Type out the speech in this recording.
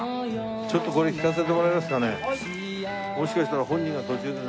ちょっとこれ聴かせてもらえますかね？